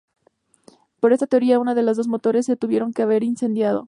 Para esta teoría una de los dos motores se tuvieron que haber incendiado.